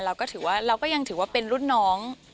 เราก็ถือว่าเราก็ยังถือว่าเป็นรุ่นน้อง